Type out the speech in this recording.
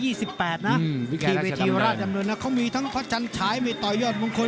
ที่เวทีราชดำเนินนะเขามีทั้งพระจันฉายมีต่อยอดมงคล